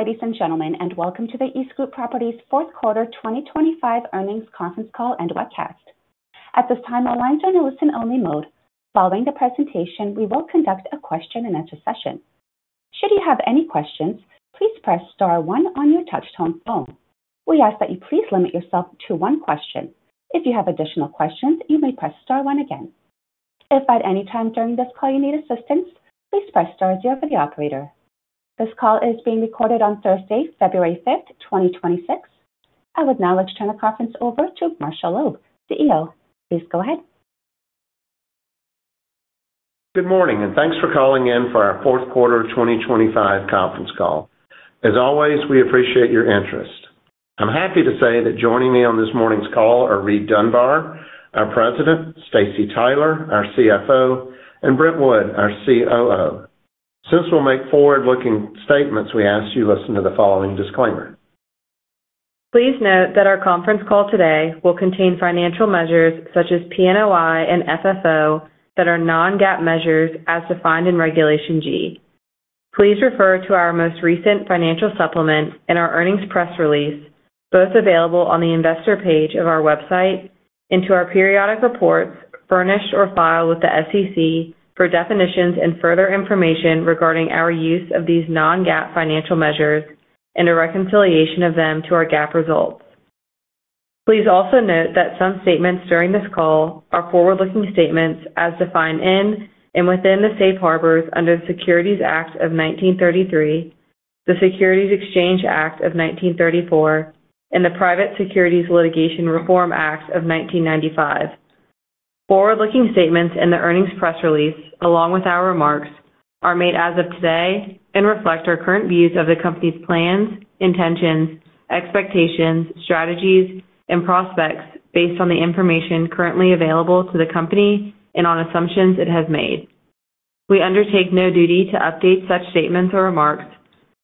Good morning, ladies and gentlemen, and welcome to the EastGroup Properties' fourth quarter 2025 earnings conference call and webcast. At this time, the lines are in a listen-only mode. Following the presentation, we will conduct a question-and-answer session. Should you have any questions, please press star one on your touchtone phone. We ask that you please limit yourself to one question. If you have additional questions, you may press star one again. If at any time during this call you need assistance, please press star zero for the operator. This call is being recorded on Thursday, February 5, 2026. I would now like to turn the conference over to Marshall Loeb, CEO. Please go ahead. Good morning, and thanks for calling in for our fourth quarter 2025 conference call. As always, we appreciate your interest. I'm happy to say that joining me on this morning's call are Reid Dunbar, our President; Staci Tyler, our CFO; and Brent Wood, our COO. Since we'll make forward-looking statements, we ask you to listen to the following disclaimer. Please note that our conference call today will contain financial measures such as PNOI and FFO that are non-GAAP measures as defined in Regulation G. Please refer to our most recent financial supplement and our earnings press release, both available on the investor page of our website, and to our periodic reports furnished or filed with the SEC for definitions and further information regarding our use of these non-GAAP financial measures and a reconciliation of them to our GAAP results. Please also note that some statements during this call are forward-looking statements as defined in and within the safe harbors under the Securities Act of 1933, the Securities Exchange Act of 1934, and the Private Securities Litigation Reform Act of 1995. Forward-looking statements in the earnings press release, along with our remarks, are made as of today and reflect our current views of the company's plans, intentions, expectations, strategies, and prospects based on the information currently available to the company and on assumptions it has made. We undertake no duty to update such statements or remarks,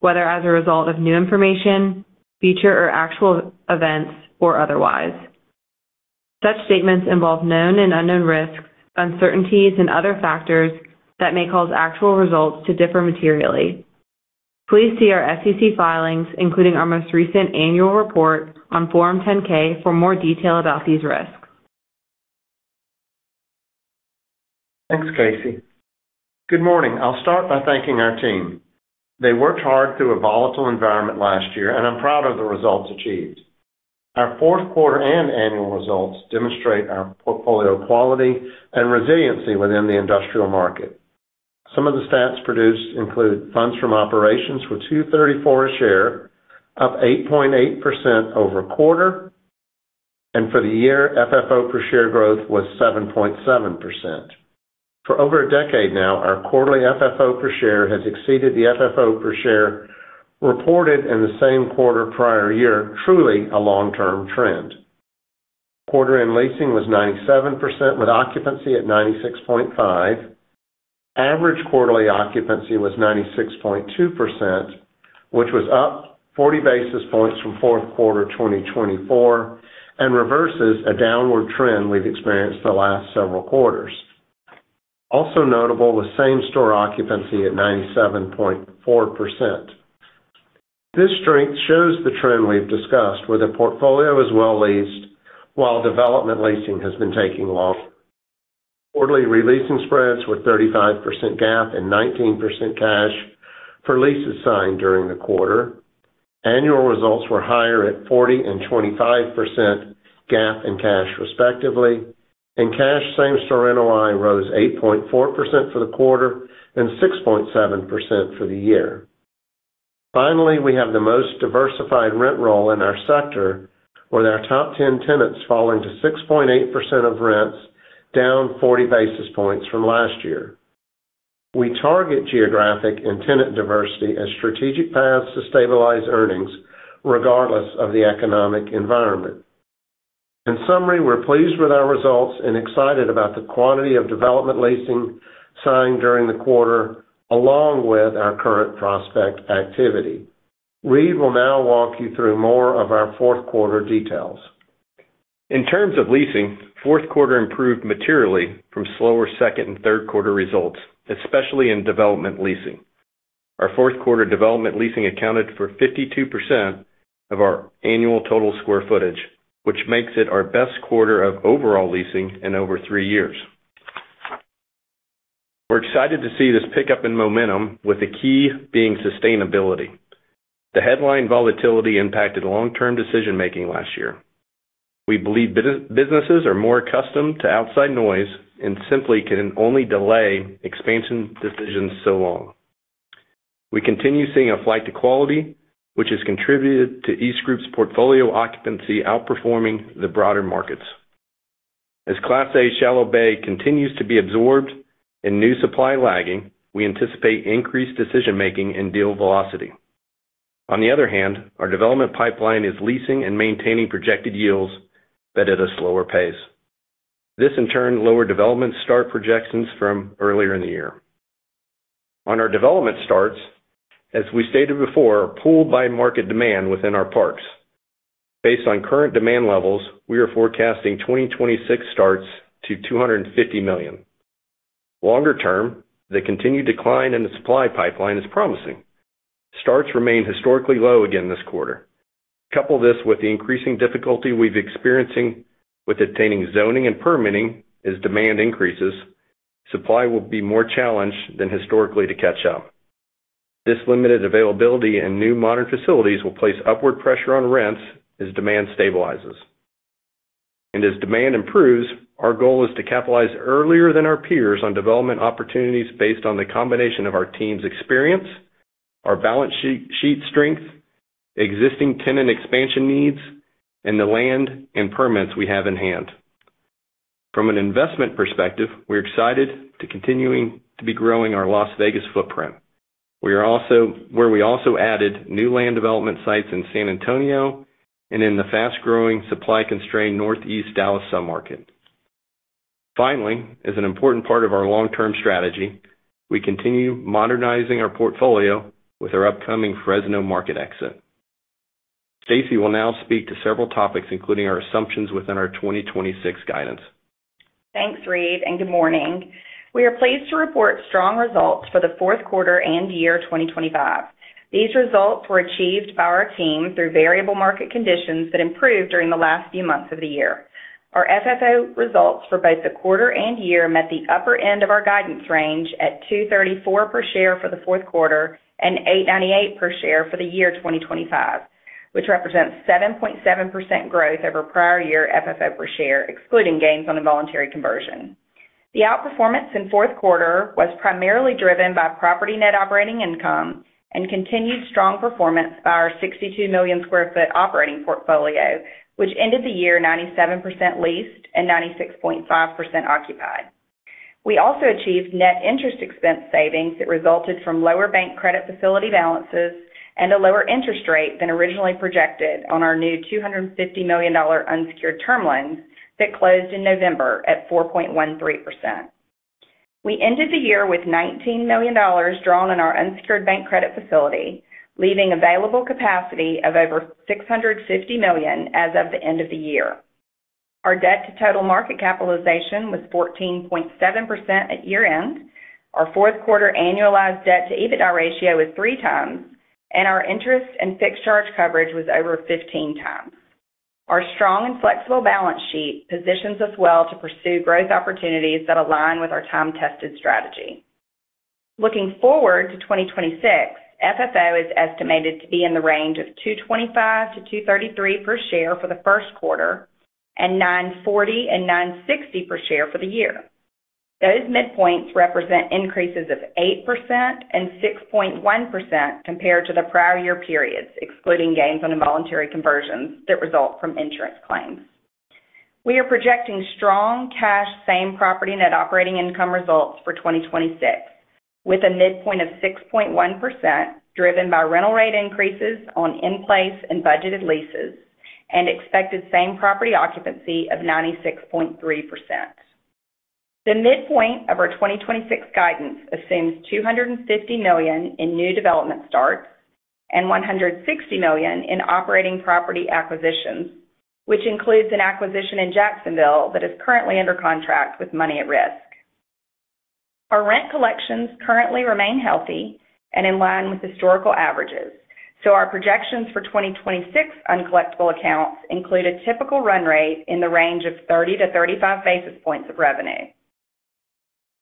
whether as a result of new information, future or actual events, or otherwise. Such statements involve known and unknown risks, uncertainties, and other factors that may cause actual results to differ materially. Please see our SEC filings, including our most recent annual report on Form 10-K, for more detail about these risks. Thanks, Staci. Good morning. I'll start by thanking our team. They worked hard through a volatile environment last year, and I'm proud of the results achieved. Our fourth quarter and annual results demonstrate our portfolio quality and resiliency within the industrial market. Some of the stats produced include funds from operations were $2.34 a share, up 8.8% over quarter, and for the year, FFO per share growth was 7.7%. For over a decade now, our quarterly FFO per share has exceeded the FFO per share reported in the same quarter prior year, truly a long-term trend. Quarter-end leasing was 97%, with occupancy at 96.5. Average quarterly occupancy was 96.2%, which was up 40 basis points from fourth quarter 2024 and reverses a downward trend we've experienced the last several quarters. Also notable, the same-store occupancy at 97.4%. This strength shows the trend we've discussed, where the portfolio is well leased while development leasing has been taking longer. Quarterly re-leasing spreads were 35% GAAP and 19% cash for leases signed during the quarter. Annual results were higher at 40 and 25% GAAP and cash, respectively, and cash same-store rental line rose 8.4% for the quarter and 6.7% for the year. Finally, we have the most diversified rent roll in our sector, with our top 10 tenants falling to 6.8% of rents, down 40 basis points from last year. We target geographic and tenant diversity as strategic paths to stabilize earnings, regardless of the economic environment. In summary, we're pleased with our results and excited about the quantity of development leasing signed during the quarter, along with our current prospect activity. Reid will now walk you through more of our fourth quarter details. In terms of leasing, fourth quarter improved materially from slower second and third quarter results, especially in development leasing. Our fourth quarter development leasing accounted for 52% of our annual total square footage, which makes it our best quarter of overall leasing in over three years. We're excited to see this pickup in momentum, with the key being sustainability. The headline volatility impacted long-term decision-making last year. We believe businesses are more accustomed to outside noise and simply can only delay expansion decisions so long. We continue seeing a flight to quality, which has contributed to EastGroup's portfolio occupancy outperforming the broader markets. As Class A shallow bay continues to be absorbed and new supply lagging, we anticipate increased decision-making and deal velocity. On the other hand, our development pipeline is leasing and maintaining projected yields, but at a slower pace. This, in turn, lowers development start projections from earlier in the year. On our development starts, as we stated before, pulled by market demand within our parks. Based on current demand levels, we are forecasting 2026 starts to $250 million. Longer term, the continued decline in the supply pipeline is promising. Starts remain historically low again this quarter. Couple this with the increasing difficulty we're experiencing with obtaining zoning and permitting as demand increases, supply will be more challenged than historically to catch up. This limited availability in new modern facilities will place upward pressure on rents as demand stabilizes. And as demand improves, our goal is to capitalize earlier than our peers on development opportunities based on the combination of our team's experience, our balance sheet strength, existing tenant expansion needs, and the land and permits we have in hand. From an investment perspective, we're excited to continuing to be growing our Las Vegas footprint. We are also where we also added new land development sites in San Antonio and in the fast-growing, supply-constrained Northeast Dallas submarket. Finally, as an important part of our long-term strategy, we continue modernizing our portfolio with our upcoming Fresno market exit. Staci will now speak to several topics, including our assumptions within our 2026 guidance. Thanks, Reid, and good morning. We are pleased to report strong results for the fourth quarter and year 2025. These results were achieved by our team through variable market conditions that improved during the last few months of the year. Our FFO results for both the quarter and year met the upper end of our guidance range at $2.34 per share for the fourth quarter and $8.98 per share for the year 2025, which represents 7.7% growth over prior year FFO per share, excluding gains on involuntary conversion. The outperformance in fourth quarter was primarily driven by property net operating income and continued strong performance by our 62 million sq ft operating portfolio, which ended the year 97% leased and 96.5% occupied. We also achieved net interest expense savings that resulted from lower bank credit facility balances and a lower interest rate than originally projected on our new $250 million unsecured term loans that closed in November at 4.13%. We ended the year with $19 million drawn on our unsecured bank credit facility, leaving available capacity of over $650 million as of the end of the year. Our debt to total market capitalization was 14.7% at year-end. Our fourth quarter annualized debt to EBITDA ratio was 3 times, and our interest and fixed charge coverage was over 15 times. Our strong and flexible balance sheet positions us well to pursue growth opportunities that align with our time-tested strategy. Looking forward to 2026, FFO is estimated to be in the range of $2.25-$2.33 per share for the first quarter and $9.40-$9.60 per share for the year. Those midpoints represent increases of 8% and 6.1% compared to the prior year periods, excluding gains on involuntary conversions that result from insurance claims. We are projecting strong cash, same-property net operating income results for 2026, with a midpoint of 6.1%, driven by rental rate increases on in-place and budgeted leases and expected same-property occupancy of 96.3%. The midpoint of our 2026 guidance assumes $250 million in new development starts and $160 million in operating property acquisitions, which includes an acquisition in Jacksonville that is currently under contract with money at risk. Our rent collections currently remain healthy and in line with historical averages, so our projections for 2026 uncollectible accounts include a typical run rate in the range of 30-35 basis points of revenue.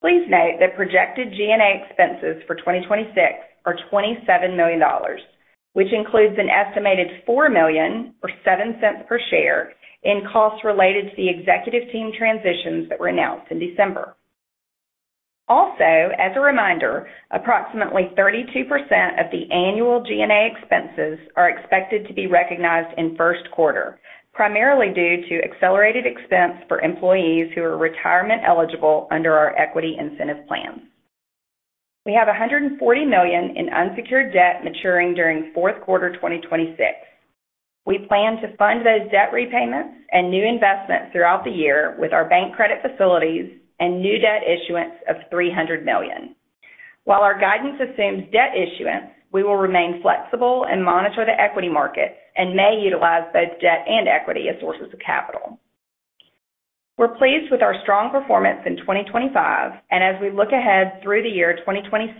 Please note that projected G&A expenses for 2026 are $27 million, which includes an estimated $4 million, or $0.07 per share, in costs related to the executive team transitions that were announced in December. Also, as a reminder, approximately 32% of the annual G&A expenses are expected to be recognized in first quarter, primarily due to accelerated expense for employees who are retirement eligible under our equity incentive plans. We have $140 million in unsecured debt maturing during fourth quarter 2026. We plan to fund those debt repayments and new investments throughout the year with our bank credit facilities and new debt issuance of $300 million. While our guidance assumes debt issuance, we will remain flexible and monitor the equity market and may utilize both debt and equity as sources of capital. We're pleased with our strong performance in 2025, and as we look ahead through the year 2026,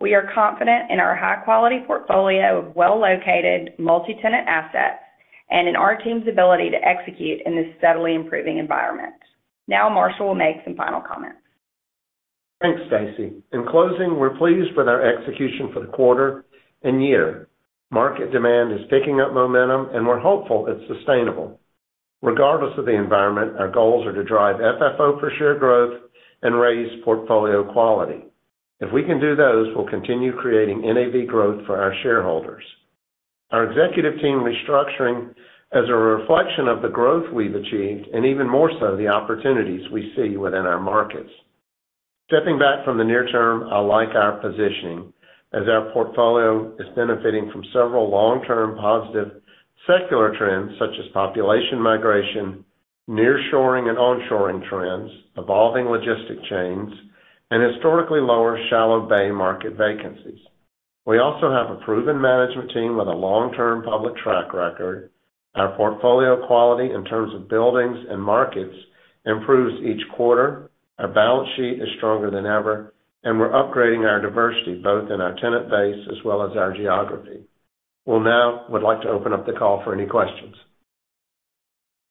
we are confident in our high-quality portfolio of well-located multi-tenant assets and in our team's ability to execute in this steadily improving environment. Now, Marshall will make some final comments. Thanks, Staci. In closing, we're pleased with our execution for the quarter and year. Market demand is picking up momentum, and we're hopeful it's sustainable. Regardless of the environment, our goals are to drive FFO per share growth and raise portfolio quality. If we can do those, we'll continue creating NAV growth for our shareholders. Our executive team restructuring is a reflection of the growth we've achieved, and even more so, the opportunities we see within our markets. Stepping back from the near term, I like our positioning, as our portfolio is benefiting from several long-term, positive secular trends, such as population migration, nearshoring and onshoring trends, evolving logistic chains, and historically lower shallow bay market vacancies. We also have a proven management team with a long-term public track record. Our portfolio quality in terms of buildings and markets improves each quarter. Our balance sheet is stronger than ever, and we're upgrading our diversity, both in our tenant base as well as our geography. Well, now, we'd like to open up the call for any questions.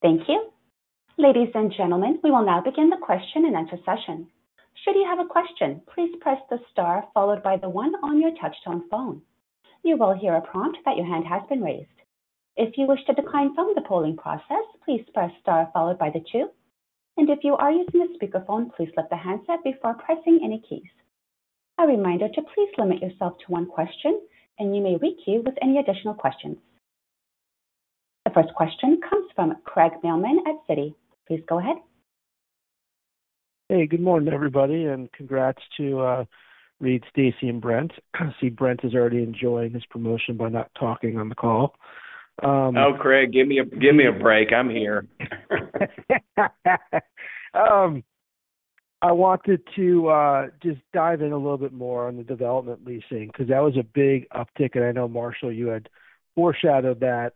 Thank you. Ladies and gentlemen, we will now begin the question-and-answer session. Should you have a question, please press the star followed by the one on your touchtone phone. You will hear a prompt that your hand has been raised. If you wish to decline from the polling process, please press star followed by the 2, and if you are using a speakerphone, please lift the handset before pressing any keys. A reminder to please limit yourself to one question, and you may re-queue with any additional questions. The first question comes from Craig Mailman at Citi. Please go ahead. Hey, good morning, everybody, and congrats to Reid, Staci, and Brent. I see Brent is already enjoying his promotion by not talking on the call. Oh, Craig, give me, give me a break. I'm here. I wanted to just dive in a little bit more on the development leasing, 'cause that was a big uptick, and I know, Marshall, you had foreshadowed that,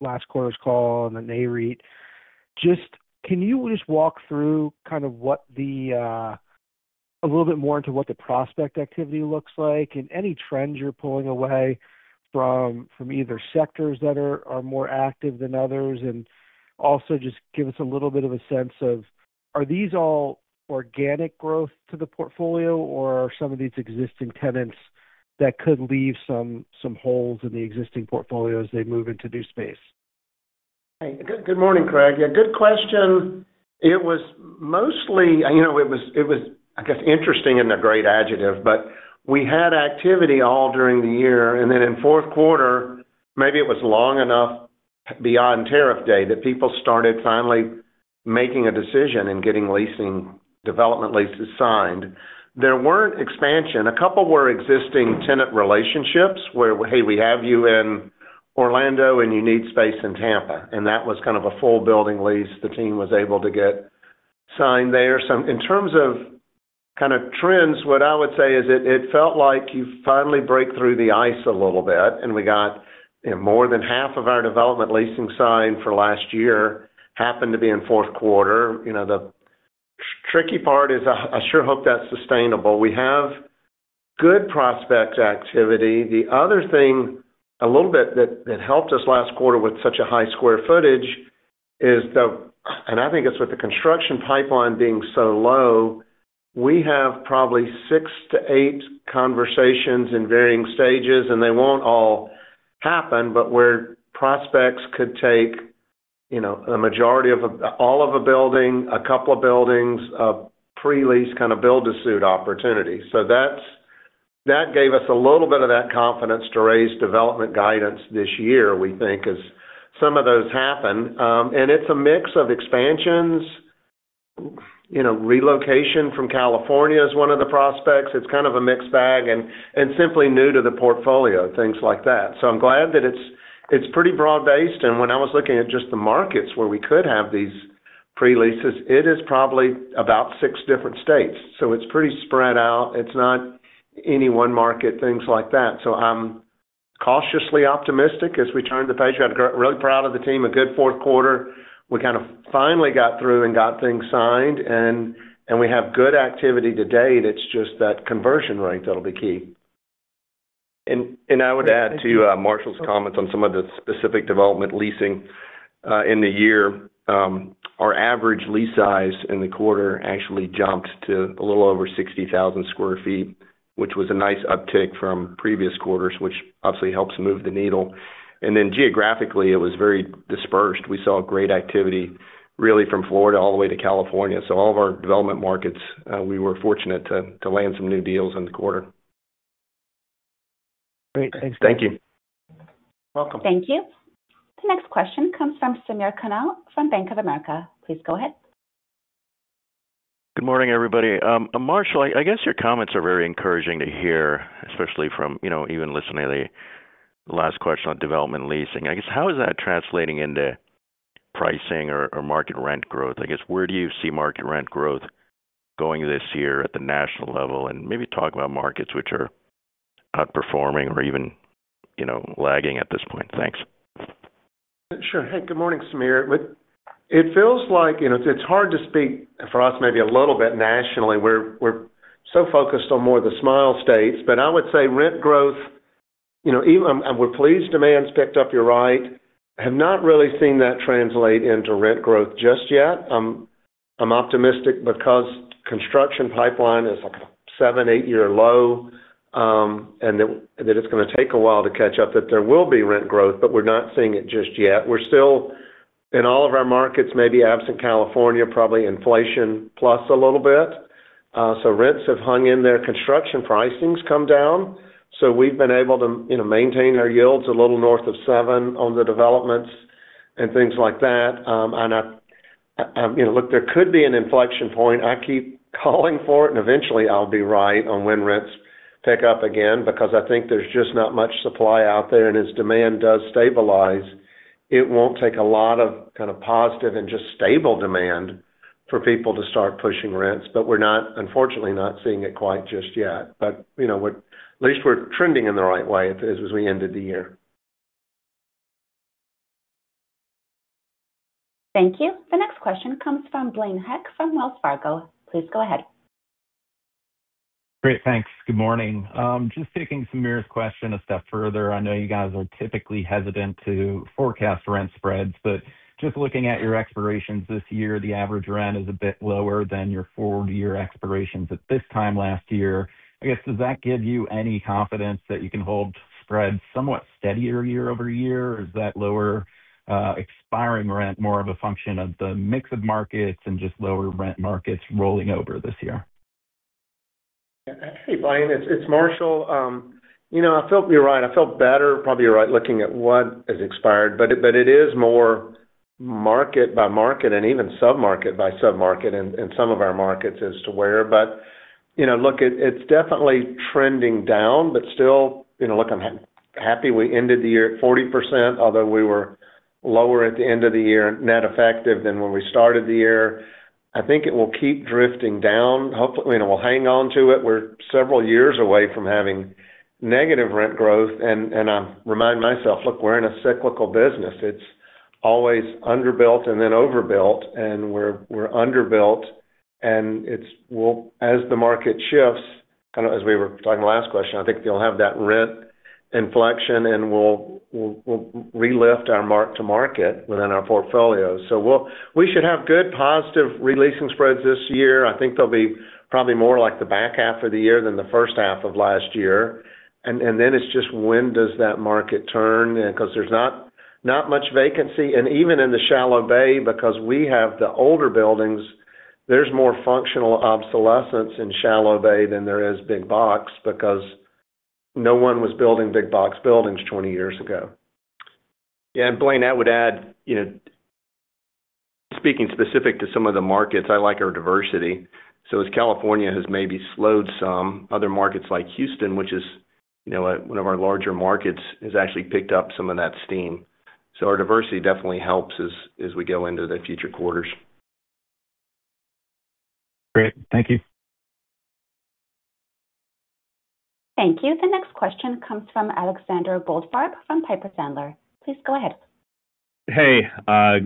last quarter's call on the NAREIT. Just, can you just walk through kind of what the, a little bit more into what the prospect activity looks like and any trends you're pulling away from, from either sectors that are, are more active than others? And also just give us a little bit of a sense of, are these all organic growth to the portfolio, or are some of these existing tenants that could leave some, some holes in the existing portfolio as they move into new space? Hey, good morning, Craig. Yeah, good question. It was mostly... You know, it was, I guess, interesting isn't a great adjective, but we had activity all during the year, and then in fourth quarter, maybe it was long enough beyond tariff day that people started finally making a decision and getting leasing, development leases signed. There weren't expansion. A couple were existing tenant relationships, where, "Hey, we have you in Orlando, and you need space in Tampa." And that was kind of a full building lease the team was able to get signed there. So in terms of kind of trends, what I would say is it felt like you finally break through the ice a little bit, and we got, you know, more than half of our development leasing signed for last year, happened to be in fourth quarter. You know, the tricky part is I sure hope that's sustainable. We have good prospect activity. The other thing, a little bit, that helped us last quarter with such a high square footage is the... I think it's with the construction pipeline being so low, we have probably 6-8 conversations in varying stages, and they won't all happen, but where prospects could take, you know, a majority of all of a building, a couple of buildings, a pre-lease, kind of build-to-suit opportunity. So that's, that gave us a little bit of that confidence to raise development guidance this year, we think, as some of those happen. It's a mix of expansions. You know, relocation from California is one of the prospects. It's kind of a mixed bag and simply new to the portfolio, things like that. So I'm glad that it's pretty broad-based, and when I was looking at just the markets where we could have these pre-leases, it is probably about six different states. So it's pretty spread out. It's not any one market, things like that. So I'm cautiously optimistic as we turn the page. I'm really proud of the team, a good fourth quarter. We kind of finally got through and got things signed, and we have good activity to date. It's just that conversion rate that'll be key. I would add to Marshall's comments on some of the specific development leasing in the year. Our average lease size in the quarter actually jumped to a little over 60,000 sq ft, which was a nice uptick from previous quarters, which obviously helps move the needle. And then geographically, it was very dispersed. We saw great activity, really, from Florida all the way to California. So all of our development markets, we were fortunate to land some new deals in the quarter. Great. Thanks. Thank you. Welcome. Thank you. The next question comes from Samir Khanal from Bank of America. Please go ahead. Good morning, everybody. Marshall, I guess your comments are very encouraging to hear, especially from, you know, even listening to the last question on development and leasing. I guess, how is that translating into pricing or, or market rent growth? I guess, where do you see market rent growth going this year at the national level? And maybe talk about markets which are outperforming or even, you know, lagging at this point. Thanks. Sure. Hey, good morning, Samir. It feels like, you know, it's hard to speak for us maybe a little bit nationally. We're so focused on more of the Smile States. But I would say rent growth, you know, and we're pleased demand's picked up, you're right. Have not really seen that translate into rent growth just yet. I'm optimistic because construction pipeline is a 7-8-year low, and it is gonna take a while to catch up, that there will be rent growth, but we're not seeing it just yet. We're still, in all of our markets, maybe absent California, probably inflation plus a little bit. So rents have hung in there. Construction pricings come down, so we've been able to, you know, maintain our yields a little north of seven on the developments and things like that. You know, look, there could be an inflection point. I keep calling for it, and eventually I'll be right on when rents pick up again, because I think there's just not much supply out there, and as demand does stabilize, it won't take a lot of kind of positive and just stable demand for people to start pushing rents, but we're not, unfortunately, not seeing it quite just yet. But, you know, we're at least trending in the right way as we ended the year. Thank you. The next question comes from Blaine Heck from Wells Fargo. Please go ahead. Great. Thanks. Good morning. Just taking Samir's question a step further. I know you guys are typically hesitant to forecast rent spreads, but just looking at your expirations this year, the average rent is a bit lower than your forward-year expirations at this time last year. I guess, does that give you any confidence that you can hold spreads somewhat steadier year over year? Or is that lower, expiring rent more of a function of the mix of markets and just lower rent markets rolling over this year? Hey, Blaine, it's Marshall. You know, I felt you're right. I felt better, probably you're right, looking at what has expired, but it is more market by market and even submarket by submarket in some of our markets as to where. But, you know, look, it's definitely trending down, but still, you know, look, I'm happy we ended the year at 40%, although we were lower at the end of the year, net effective than when we started the year. I think it will keep drifting down. Hopefully, you know, we'll hang on to it. We're several years away from having negative rent growth, and I remind myself, look, we're in a cyclical business. It's always underbuilt and then overbuilt, and we're underbuilt, as the market shifts, kind of as we were talking last question. I think you'll have that rent inflection, and we'll relift our mark to market within our portfolio. So we should have good, positive re-leasing spreads this year. I think they'll be probably more like the back half of the year than the first half of last year. And then it's just when does that market turn? Because there's not much vacancy. And even in the shallow bay, because we have the older buildings, there's more functional obsolescence in shallow bay than there is big box, because no one was building big box buildings 20 years ago. Yeah, and Blaine, I would add, you know, speaking specific to some of the markets, I like our diversity. So as California has maybe slowed some, other markets like Houston, which is, you know, one of our larger markets, has actually picked up some of that steam. So our diversity definitely helps as, as we go into the future quarters. Great. Thank you. Thank you. The next question comes from Alexander Goldfarb from Piper Sandler. Please go ahead. Hey,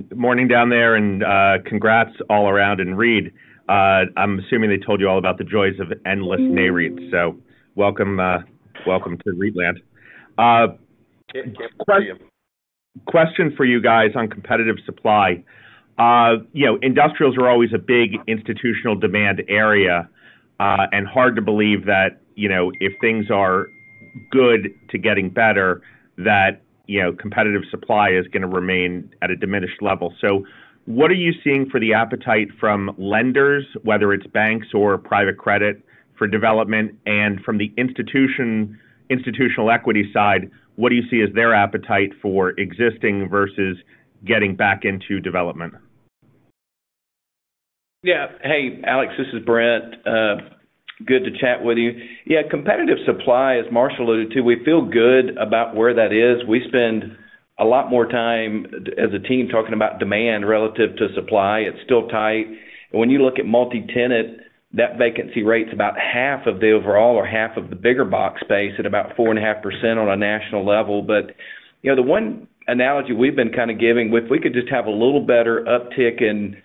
good morning down there, and, congrats all around to Reid. I'm assuming they told you all about the joys of endless NAREIT. So welcome to Reid and. Question for you guys on competitive supply. You know, industrials are always a big institutional demand area, and hard to believe that, you know, if things are good to getting better, that, you know, competitive supply is going to remain at a diminished level. So what are you seeing for the appetite from lenders, whether it's banks or private credit, for development? And from the institution-- institutional equity side, what do you see as their appetite for existing versus getting back into development? Yeah. Hey, Alex, this is Brent. Good to chat with you. Yeah, competitive supply, as Marshall alluded to, we feel good about where that is. We spend a lot more time as a team talking about demand relative to supply. It's still tight. And when you look at multi-tenant, that vacancy rate's about half of the overall or half of the bigger box space at about 4.5% on a national level. But, you know, the one analogy we've been kind of giving, if we could just have a little better uptick in,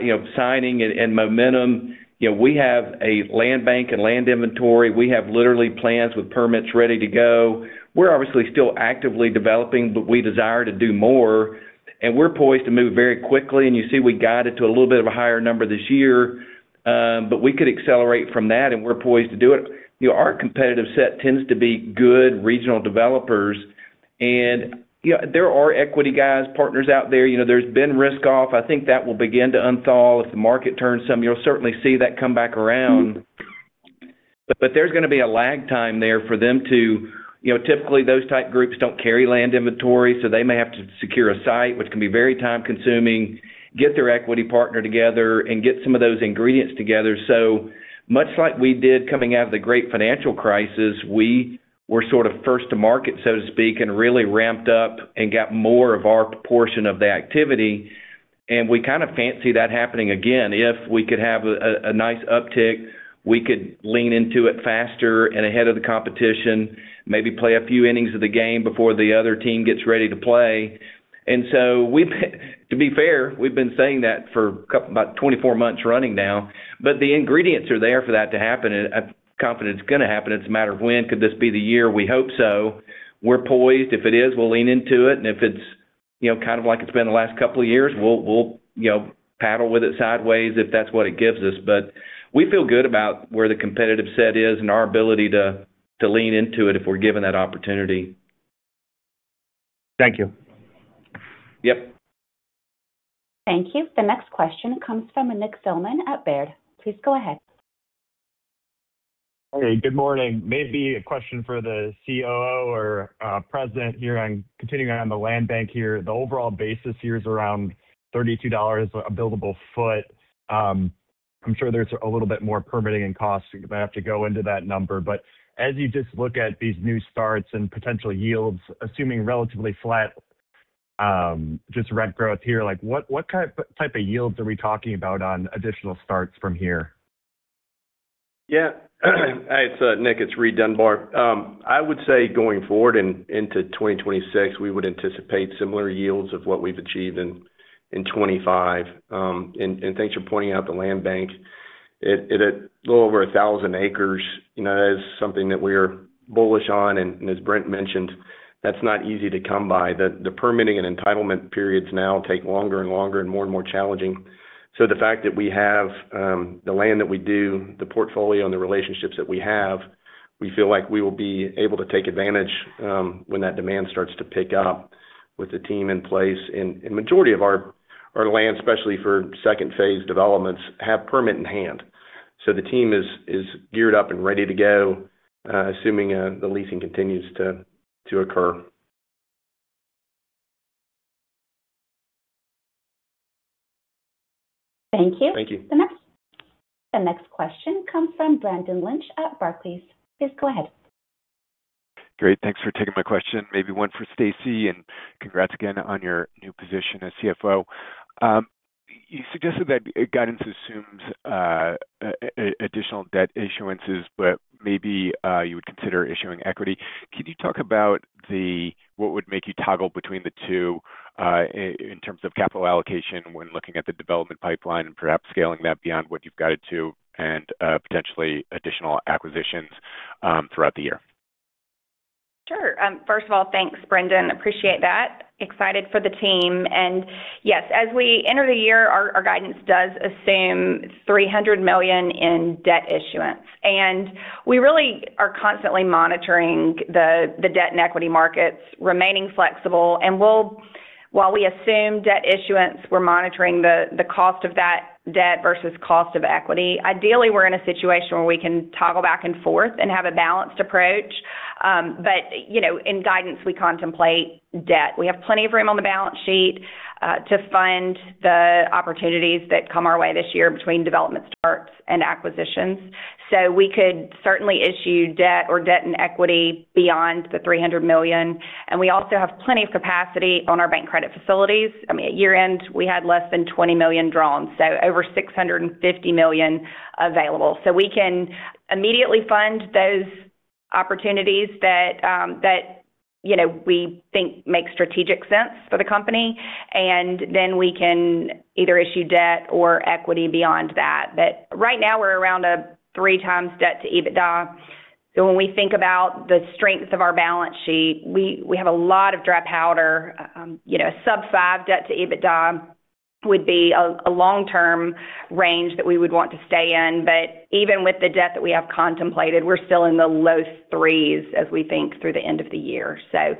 you know, signing and, and momentum, you know, we have a land bank and land inventory. We have literally plans with permits ready to go. We're obviously still actively developing, but we desire to do more, and we're poised to move very quickly. You see, we guided to a little bit of a higher number this year, but we could accelerate from that, and we're poised to do it. You know, our competitive set tends to be good regional developers. You know, there are equity guys, partners out there. You know, there's been risk off. I think that will begin to unthaw. If the market turns some, you'll certainly see that come back around. But there's going to be a lag time there for them to... You know, typically, those type groups don't carry land inventory, so they may have to secure a site, which can be very time-consuming, get their equity partner together and get some of those ingredients together. So much like we did coming out of the great financial crisis, we were sort of first to market, so to speak, and really ramped up and got more of our portion of the activity, and we kind of fancy that happening again. If we could have a nice uptick, we could lean into it faster and ahead of the competition, maybe play a few innings of the game before the other team gets ready to play. And so we've, to be fair, we've been saying that for about 24 months running now, but the ingredients are there for that to happen. I'm confident it's going to happen. It's a matter of when. Could this be the year? We hope so. We're poised. If it is, we'll lean into it, and if it's, you know, kind of like it's been the last couple of years, we'll, we'll, you know, paddle with it sideways if that's what it gives us. But we feel good about where the competitive set is and our ability to, to lean into it if we're given that opportunity. Thank you. Yep. Thank you. The next question comes from Nick Thillman at Baird. Please go ahead. Hey, good morning. Maybe a question for the COO or president here on, continuing on the land bank here. The overall basis here is around $32 a buildable foot.... I'm sure there's a little bit more permitting and costs that have to go into that number. But as you just look at these new starts and potential yields, assuming relatively flat, just rent growth here, like, what, what kind-- type of yields are we talking about on additional starts from here? Yeah. Hey, it's Nick, it's Reid Dunbar. I would say going forward and into 2026, we would anticipate similar yields of what we've achieved in, in 2025. And thanks for pointing out the land bank. It's a little over 1,000 acres, you know, that is something that we are bullish on. And as Brent mentioned, that's not easy to come by. The permitting and entitlement periods now take longer and longer and more and more challenging. So the fact that we have the land that we do, the portfolio and the relationships that we have, we feel like we will be able to take advantage when that demand starts to pick up with the team in place. And majority of our land, especially for second phase developments, have permit in hand. The team is geared up and ready to go, assuming the leasing continues to occur. Thank you. Thank you. The next question comes from Brendan Lynch at Barclays. Please go ahead. Great. Thanks for taking my question. Maybe one for Staci, and congrats again on your new position as CFO. You suggested that guidance assumes additional debt issuances, but maybe you would consider issuing equity. Can you talk about the what would make you toggle between the two in terms of capital allocation when looking at the development pipeline and perhaps scaling that beyond what you've guided to and potentially additional acquisitions throughout the year? Sure. First of all, thanks, Brendan. Appreciate that. Excited for the team. And yes, as we enter the year, our guidance does assume $300 million in debt issuance. And we really are constantly monitoring the debt and equity markets, remaining flexible. And we'll—while we assume debt issuance, we're monitoring the cost of that debt versus cost of equity. Ideally, we're in a situation where we can toggle back and forth and have a balanced approach. But, you know, in guidance, we contemplate debt. We have plenty of room on the balance sheet to fund the opportunities that come our way this year between development starts and acquisitions. So we could certainly issue debt or debt and equity beyond the $300 million, and we also have plenty of capacity on our bank credit facilities. I mean, at year-end, we had less than $20 million drawn, so over $650 million available. So we can immediately fund those opportunities that, that you know, we think make strategic sense for the company, and then we can either issue debt or equity beyond that. But right now, we're around a 3 times debt to EBITDA. So when we think about the strength of our balance sheet, we have a lot of dry powder. You know, sub 5 debt to EBITDA would be a long-term range that we would want to stay in. But even with the debt that we have contemplated, we're still in the low 3s as we think through the end of the year. So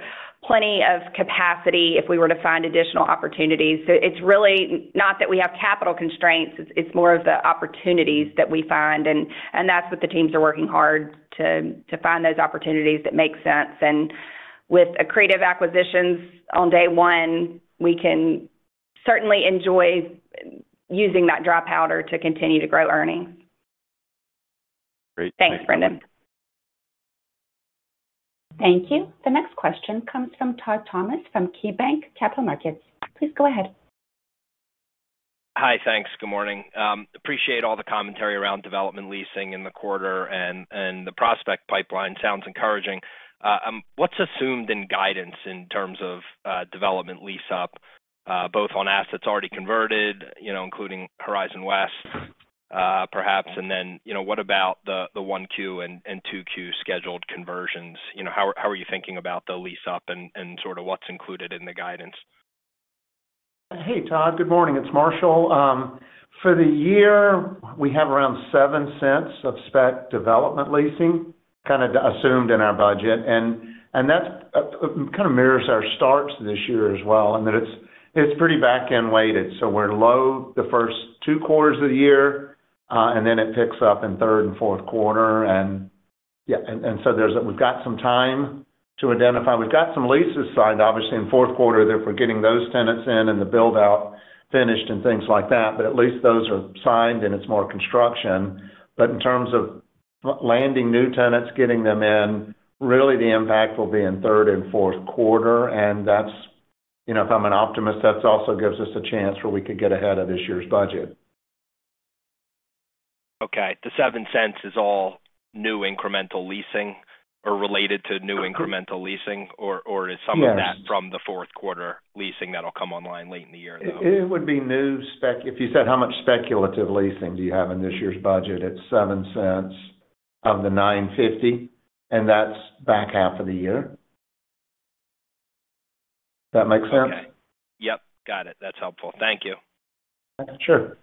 plenty of capacity if we were to find additional opportunities. So it's really not that we have capital constraints. It's more of the opportunities that we find, and that's what the teams are working hard to find, those opportunities that make sense. And with accretive acquisitions on day one, we can certainly enjoy using that dry powder to continue to grow earnings. Great. Thanks, Brendan. Thank you. The next question comes from Todd Thomas from KeyBanc Capital Markets. Please go ahead. Hi, thanks. Good morning. Appreciate all the commentary around development leasing in the quarter and the prospect pipeline. Sounds encouraging. What's assumed in guidance in terms of development lease-up, both on assets already converted, you know, including Horizon West, perhaps, and then, you know, what about the 1Q and 2Q scheduled conversions? You know, how are you thinking about the lease-up and sort of what's included in the guidance? Hey, Todd. Good morning. It's Marshall. For the year, we have around $0.07 of spec development leasing, kind of assumed in our budget. And that's kind of mirrors our starts this year as well, and that it's pretty back-end weighted. So we're low the first two quarters of the year, and then it picks up in third and fourth quarter. And yeah, and so there's a—we've got some time to identify. We've got some leases signed, obviously, in fourth quarter, therefore getting those tenants in and the build-out finished and things like that, but at least those are signed, and it's more construction. But in terms of landing new tenants, getting them in, really the impact will be in third and fourth quarter, and that's, you know, if I'm an optimist, that's also gives us a chance where we could get ahead of this year's budget. Okay. The $0.07 is all new incremental leasing or related to new incremental leasing? Or, or is some- Yes... of that from the fourth quarter leasing that'll come online late in the year, though? It would be new spec. If you said, how much speculative leasing do you have in this year's budget? It's $0.07 of the $9.50, and that's back half of the year. Does that make sense? Okay. Yep, got it. That's helpful. Thank you. Sure.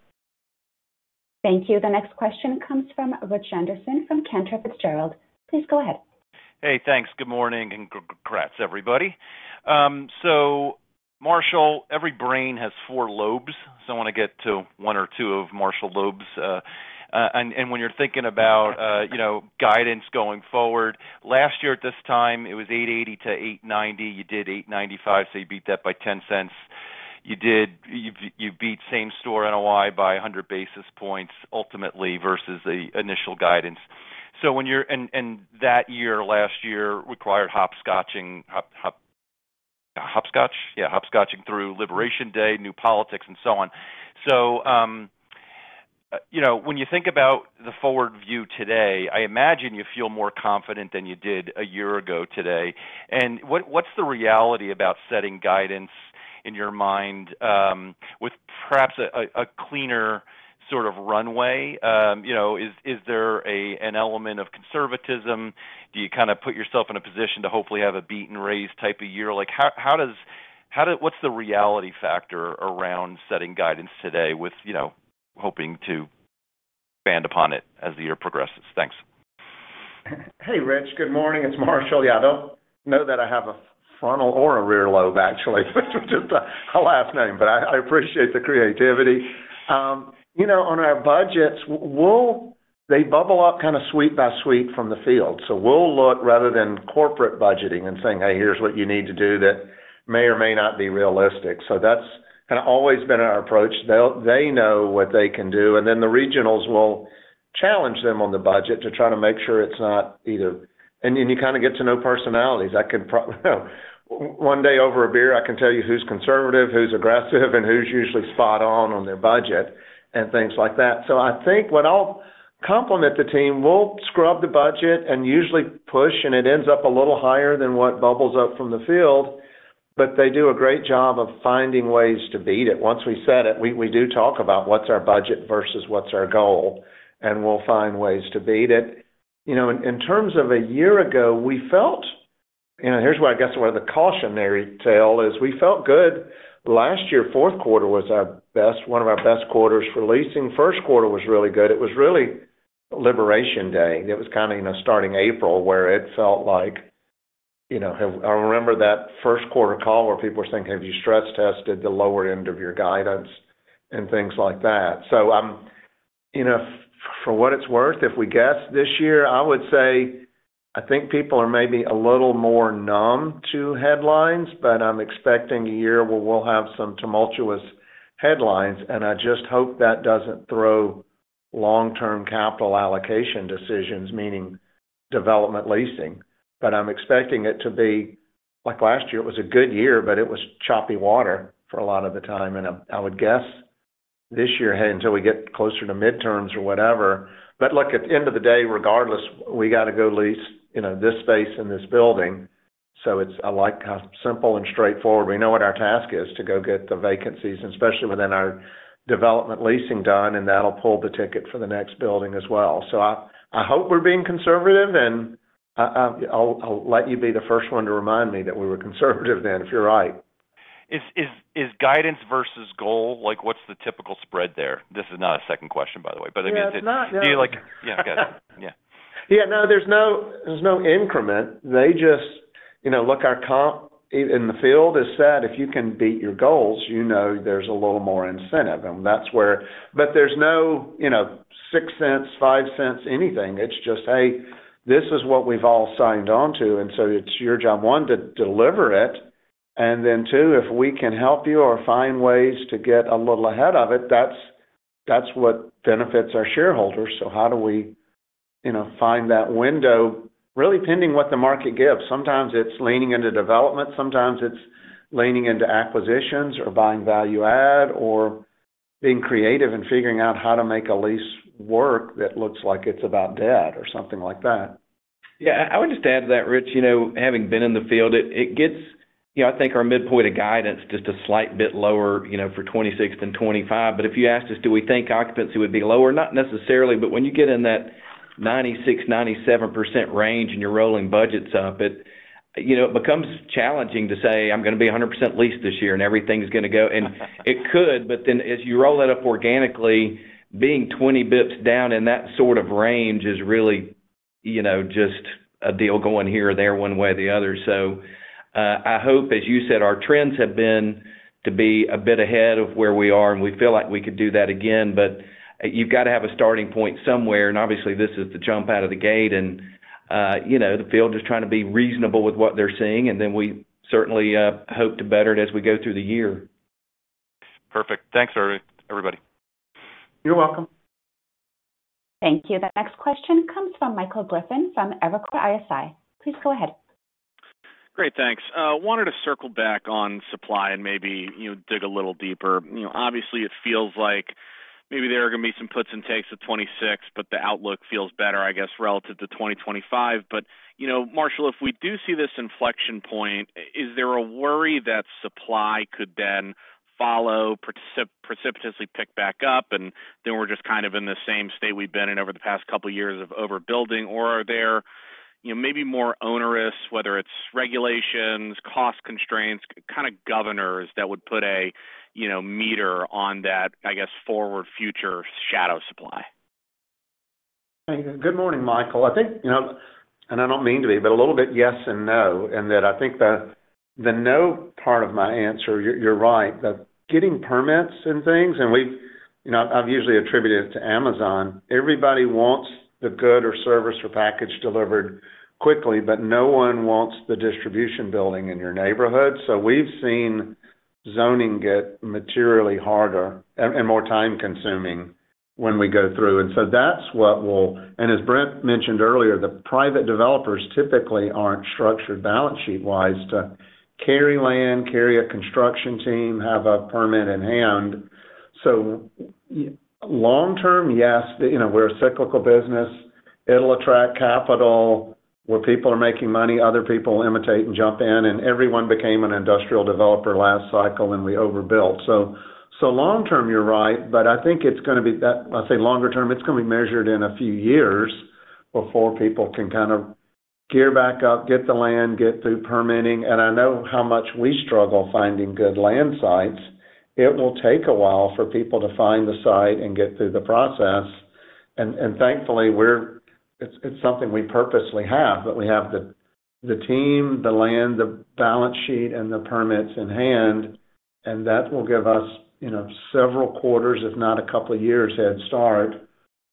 Thank you. The next question comes from Rich Anderson from Cantor Fitzgerald. Please go ahead. Hey, thanks. Good morning, and congrats, everybody. So, Marshall, every brain has four lobes, so I want to get to one or two of Marshall Loeb's.... and when you're thinking about, you know, guidance going forward, last year at this time, it was $8.80-$8.90. You did $8.95, so you beat that by $0.10. You beat same-store NOI by 100 basis points ultimately versus the initial guidance. So, and that year, last year, required hopscotching through Liberation Day, new politics, and so on. So, you know, when you think about the forward view today, I imagine you feel more confident than you did a year ago today. And what's the reality about setting guidance in your mind, with perhaps a cleaner sort of runway? You know, is there an element of conservatism? Do you kind of put yourself in a position to hopefully have a beat and raise type of year? Like, how does... what's the reality factor around setting guidance today with, you know, hoping to expand upon it as the year progresses? Thanks. Hey, Rich. Good morning. It's Marshall. Yeah, I don't know that I have a funnel or a rear lobe, actually, which is just a last name, but I appreciate the creativity. You know, on our budgets, we'll—they bubble up kind of suite by suite from the field. So we'll look rather than corporate budgeting and saying, "Hey, here's what you need to do," that may or may not be realistic. So that's kind of always been our approach. They know what they can do, and then the regionals will challenge them on the budget to try to make sure it's not either... And then you kind of get to know personalities. I could one day over a beer, I can tell you who's conservative, who's aggressive, and who's usually spot on on their budget and things like that. So I think what I'll compliment the team, we'll scrub the budget and usually push, and it ends up a little higher than what bubbles up from the field, but they do a great job of finding ways to beat it. Once we set it, we do talk about what's our budget versus what's our goal, and we'll find ways to beat it. You know, in terms of a year ago, we felt... You know, here's where I guess where the cautionary tale is: We felt good. Last year, fourth quarter was our best, one of our best quarters for leasing. First quarter was really good. It was really Liberation Day. It was kind of, you know, starting April, where it felt like, you know, I remember that first quarter call where people were thinking, "Have you stress tested the lower end of your guidance?" And things like that. So, you know, for what it's worth, if we guess this year, I would say I think people are maybe a little more numb to headlines, but I'm expecting a year where we'll have some tumultuous headlines, and I just hope that doesn't throw long-term capital allocation decisions, meaning development leasing. But I'm expecting it to be... Like last year, it was a good year, but it was choppy water for a lot of the time, and I would guess this year, hey, until we get closer to midterms or whatever. But look, at the end of the day, regardless, we got to go lease, you know, this space and this building. So it's, I like, kind of, simple and straightforward. We know what our task is to go get the vacancies, and especially within our development leasing done, and that'll pull the ticket for the next building as well. So I, I hope we're being conservative, and I, I, I'll, I'll let you be the first one to remind me that we were conservative then, if you're right. Is guidance versus goal, like, what's the typical spread there? This is not a second question, by the way, but I mean- Yeah, it's not. Do you like... Yeah, got it. Yeah. Yeah, no, there's no, there's no increment. They just, you know, look, our comp in the field has said if you can beat your goals, you know there's a little more incentive, and that's where... But there's no, you know, six cents, five cents, anything. It's just: Hey, this is what we've all signed on to, and so it's your job, one, to deliver it, and then, two, if we can help you or find ways to get a little ahead of it, that's, that's what benefits our shareholders. So how do we, you know, find that window? Really, depending what the market gives, sometimes it's leaning into development, sometimes it's leaning into acquisitions or buying value add, or being creative and figuring out how to make a lease work that looks like it's about dead or something like that. Yeah, I would just add to that, Rich, you know, having been in the field, it gets... You know, I think our midpoint of guidance, just a slight bit lower, you know, for 2026 than 2025. But if you asked us, do we think occupancy would be lower? Not necessarily. But when you get in that 96%-97% range and you're rolling budgets up, it, you know, it becomes challenging to say, "I'm gonna be 100% leased this year, and everything's gonna go-"... And it could, but then as you roll it up organically, being 20 basis points down in that sort of range is really, you know, just a deal going here or there, one way or the other. So, I hope, as you said, our trends have been to be a bit ahead of where we are, and we feel like we could do that again. But, you've got to have a starting point somewhere, and obviously, this is the jump out of the gate and, you know, the field is trying to be reasonable with what they're seeing, and then we certainly hope to better it as we go through the year. Perfect. Thanks, everybody. You're welcome. Thank you. The next question comes from Michael Griffin from Evercore ISI. Please go ahead. Great, thanks. Wanted to circle back on supply and maybe, you know, dig a little deeper. You know, obviously, it feels like maybe there are gonna be some puts and takes at 26, but the outlook feels better, I guess, relative to 2025. But, you know, Marshall, if we do see this inflection point, is there a worry that supply could then follow, precipitously pick back up, and then we're just kind of in the same state we've been in over the past couple of years of overbuilding? Or are there, you know, maybe more onerous, whether it's regulations, cost constraints, kind of governors that would put a, you know, meter on that, I guess, forward future shadow supply? Good morning, Michael. I think, you know, and I don't mean to be, but a little bit yes and no, in that I think the, the no part of my answer, you're, you're right. The getting permits and things, and we, you know, I've usually attributed it to Amazon. Everybody wants the good or service or package delivered quickly, but no one wants the distribution building in your neighborhood. So we've seen zoning get materially harder and, and more time consuming when we go through, and so that's what we'll. And as Brent mentioned earlier, the private developers typically aren't structured balance sheet-wise to carry land, carry a construction team, have a permit in hand. So, long term, yes, you know, we're a cyclical business. It'll attract capital. Where people are making money, other people imitate and jump in, and everyone became an industrial developer last cycle, and we overbuilt. So, so long term, you're right, but I think it's gonna be that... When I say longer term, it's gonna be measured in a few years before people can kind of gear back up, get the land, get through permitting. And I know how much we struggle finding good land sites. It will take a while for people to find the site and get through the process. And thankfully, it's something we purposely have, but we have the team, the land, the balance sheet, and the permits in hand, and that will give us, you know, several quarters, if not a couple of years, head start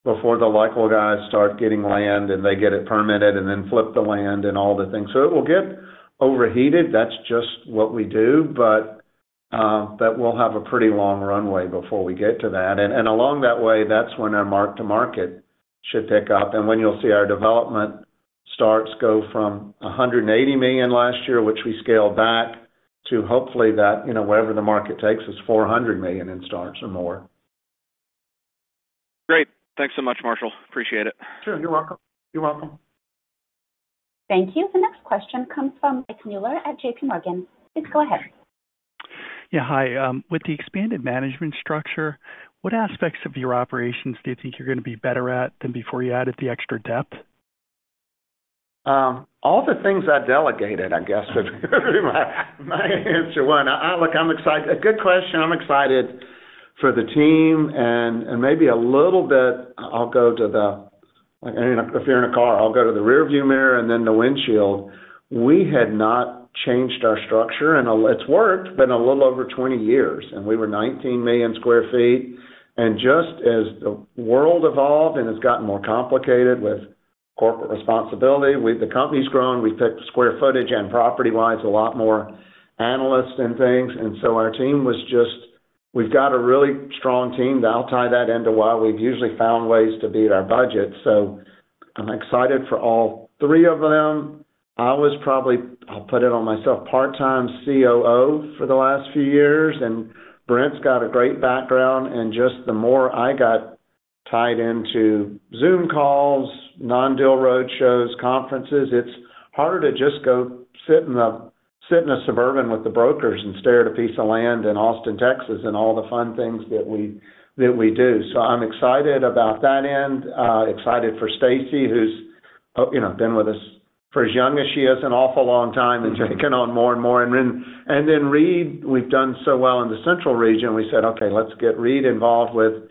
before the local guys start getting land, and they get it permitted, and then flip the land and all the things. So it will get overheated. That's just what we do, but we'll have a pretty long runway before we get to that. And along that way, that's when our mark to market should pick up, and when you'll see our development starts go from $180 million last year, which we scaled back, to hopefully that, you know, wherever the market takes us, $400 million in starts or more. Great. Thanks so much, Marshall. Appreciate it. Sure. You're welcome. You're welcome. Thank you. The next question comes from Mike Mueller at JPMorgan. Please go ahead. Yeah, hi. With the expanded management structure, what aspects of your operations do you think you're going to be better at than before you added the extra depth? All the things I delegated, I guess, would be my answer one. Look, I'm excited. A good question. I'm excited for the team and, and maybe a little bit, I'll go to the... If you're in a car, I'll go to the rearview mirror and then the windshield. We had not changed our structure, and it's worked, been a little over 20 years, and we were 19 million sq ft. And just as the world evolved and has gotten more complicated with corporate responsibility, the company's grown, we've picked square footage and property-wise, a lot more analysts and things. And so our team was just... We've got a really strong team, and I'll tie that into why we've usually found ways to beat our budget. So I'm excited for all three of them. I was probably, I'll put it on myself, part-time COO for the last few years, and Brent's got a great background, and just the more I got tied into Zoom calls, non-deal road shows, conferences, it's harder to just go sit in a, sit in a Suburban with the brokers and stare at a piece of land in Austin, Texas, and all the fun things that we, that we do. So I'm excited about that end. Excited for Staci, who's, you know, been with us for, as young as she is, an awful long time and taking on more and more. And then, and then Reid, we've done so well in the central region. We said, "Okay, let's get Reid involved with..."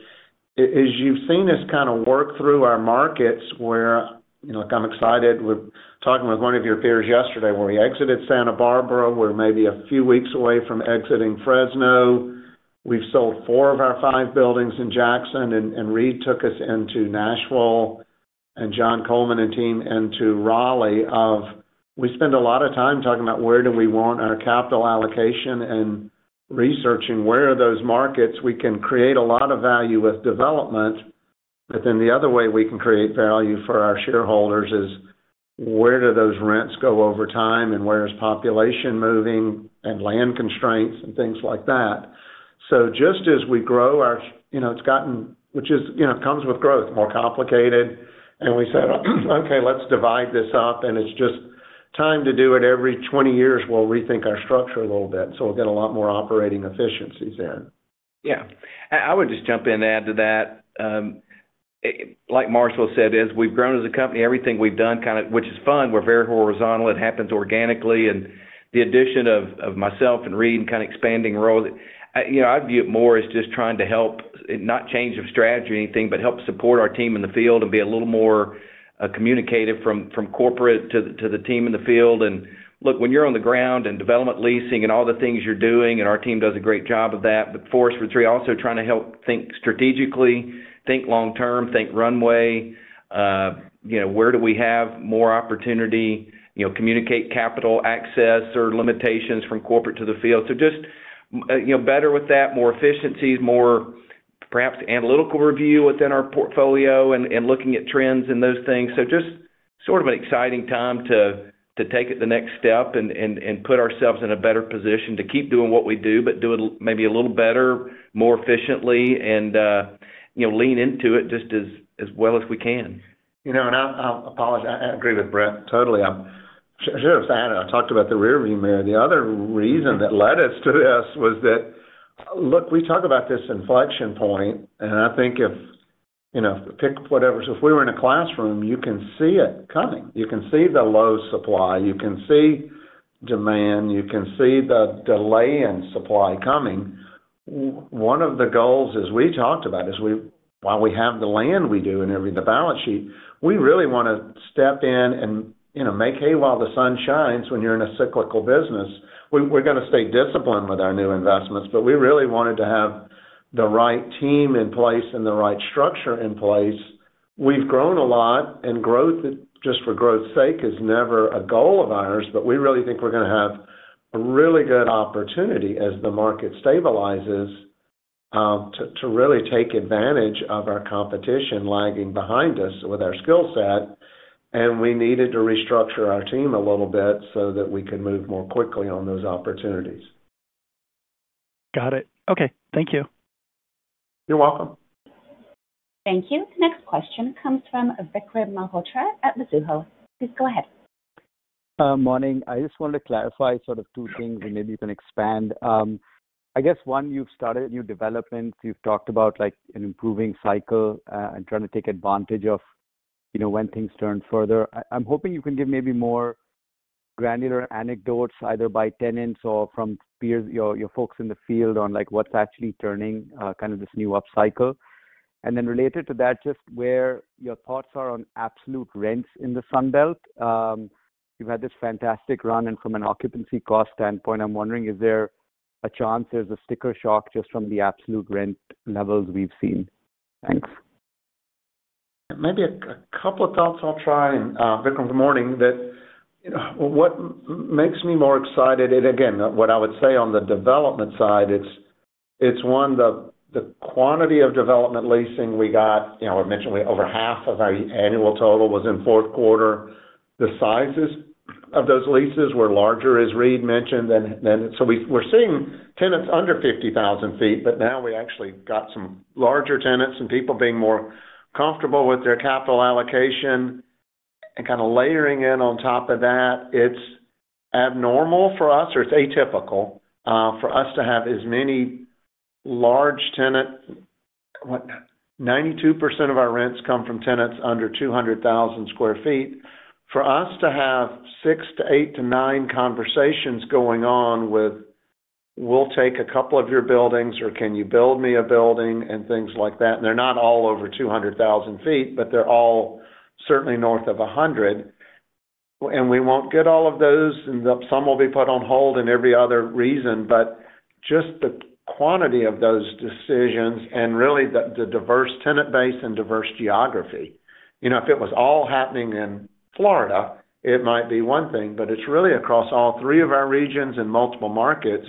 As you've seen us kind of work through our markets where, you know, like, I'm excited. We're talking with one of your peers yesterday, where we exited Santa Barbara, we're maybe a few weeks away from exiting Fresno. We've sold four of our five buildings in Jackson, and, and Reid took us into Nashville, and John Coleman and team into Raleigh of... We spend a lot of time talking about where do we want our capital allocation and researching where are those markets we can create a lot of value with development. But then the other way we can create value for our shareholders is where do those rents go over time and where is population moving and land constraints and things like that. So just as we grow our-- You know, it's gotten, which is, you know, comes with growth, more complicated, and we said, "Okay, let's divide this up," and it's just time to do it. Every 20 years, we'll rethink our structure a little bit, so we'll get a lot more operating efficiencies in. Yeah. I would just jump in and add to that. Like Marshall said, as we've grown as a company, everything we've done, kind of, which is fun, we're very horizontal, it happens organically, and the addition of myself and Reid and kind of expanding roles, you know, I view it more as just trying to help, not change of strategy or anything, but help support our team in the field and be a little more communicative from corporate to the team in the field. And look, when you're on the ground in development leasing and all the things you're doing, and our team does a great job of that, but for us, we're three, also trying to help think strategically, think long term, think runway, you know, where do we have more opportunity, you know, communicate capital access or limitations from corporate to the field. So just, you know, better with that, more efficiencies, more perhaps analytical review within our portfolio and, and looking at trends and those things. So just sort of an exciting time to, to take it the next step and, and, and put ourselves in a better position to keep doing what we do, but do it maybe a little better, more efficiently, and, you know, lean into it just as, as well as we can. You know, and I apologize. I agree with Brent totally. I should have said I talked about the rearview mirror. The other reason that led us to this was that, look, we talk about this inflection point, and I think if, you know, pick whatever. So if we were in a classroom, you can see it coming. You can see the low supply, you can see demand, you can see the delay in supply coming.... One of the goals, as we talked about, is while we have the land we do and everything, the balance sheet, we really wanna step in and, you know, make hay while the sun shines when you're in a cyclical business. We're gonna stay disciplined with our new investments, but we really wanted to have the right team in place and the right structure in place. We've grown a lot, and growth, just for growth's sake, is never a goal of ours, but we really think we're gonna have a really good opportunity as the market stabilizes, to really take advantage of our competition lagging behind us with our skill set, and we needed to restructure our team a little bit so that we could move more quickly on those opportunities. Got it. Okay, thank you. You're welcome. Thank you. Next question comes from Vikram Malhotra at Mizuho. Please go ahead. Morning. I just wanted to clarify sort of two things, and maybe you can expand. I guess, one, you've started new developments. You've talked about, like, an improving cycle, and trying to take advantage of, you know, when things turn further. I'm hoping you can give maybe more granular anecdotes, either by tenants or from peers, your folks in the field, on, like, what's actually turning, kind of this new upcycle. And then related to that, just where your thoughts are on absolute rents in the Sun Belt. You've had this fantastic run, and from an occupancy cost standpoint, I'm wondering, is there a chance there's a sticker shock just from the absolute rent levels we've seen? Thanks. Maybe a couple of thoughts I'll try, and Vikram, good morning. You know, what makes me more excited, and again, what I would say on the development side, it's the quantity of development leasing we got. You know, I mentioned over half of our annual total was in fourth quarter. The sizes of those leases were larger, as Reid mentioned, than. So we're seeing tenants under 50,000 sq ft, but now we actually got some larger tenants and people being more comfortable with their capital allocation and kind of layering in on top of that. It's abnormal for us, or it's atypical for us to have as many large tenant. 92% of our rents come from tenants under 200,000 sq ft. For us to have 6 to 8 to 9 conversations going on with, "We'll take a couple of your buildings," or, "Can you build me a building?" and things like that, and they're not all over 200,000 sq ft, but they're all certainly north of 100. And we won't get all of those, and some will be put on hold and every other reason, but just the quantity of those decisions and really the diverse tenant base and diverse geography. You know, if it was all happening in Florida, it might be one thing, but it's really across all three of our regions in multiple markets,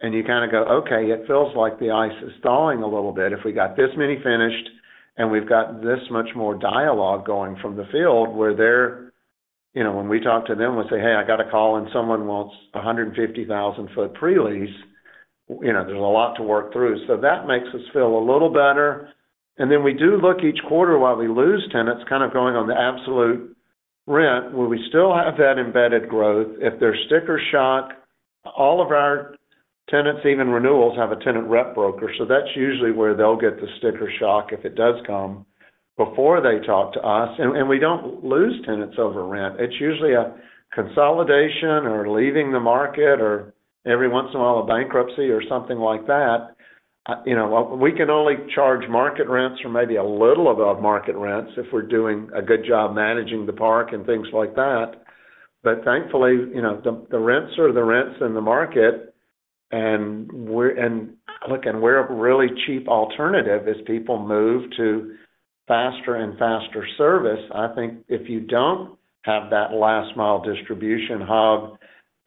and you kind of go, "Okay, it feels like the ice is thawing a little bit." If we got this many finished, and we've got this much more dialogue going from the field, where they're, you know, when we talk to them, we say, "Hey, I got a call, and someone wants a 150,000 sq ft pre-lease," you know, there's a lot to work through. So that makes us feel a little better. And then we do look each quarter, while we lose tenants, kind of going on the absolute rent, where we still have that embedded growth. If there's sticker shock, all of our tenants, even renewals, have a tenant rep broker, so that's usually where they'll get the sticker shock if it does come, before they talk to us. We don't lose tenants over rent. It's usually a consolidation or leaving the market or every once in a while, a bankruptcy or something like that. You know, we can only charge market rents or maybe a little above market rents if we're doing a good job managing the park and things like that. But thankfully, you know, the rents are the rents in the market, and we're a really cheap alternative as people move to faster and faster service. I think if you don't have that last mile distribution hub,